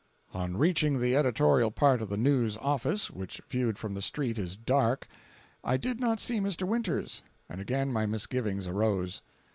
On reaching the editorial part of the News office, which viewed from the street is dark, I did not see Mr. Winters, and again my misgivings arose.